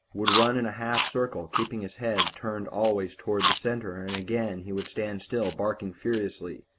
would run in a half circle, keeping his head turned always toward the centre and again he would stand still, barking furiously.